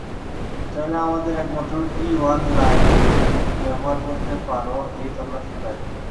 চাইলে আমাদের একমাত্র টি-ওয়ান লাইন ব্যাবহার করতে পারো এই তল্লাসির কাজে।